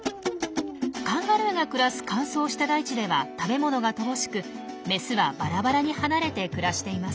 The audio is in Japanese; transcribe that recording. カンガルーが暮らす乾燥した大地では食べ物が乏しくメスはバラバラに離れて暮らしています。